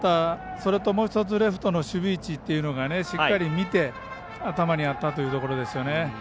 それともう１つレフトの守備位置っていうのがしっかり見て頭にあったというところですね。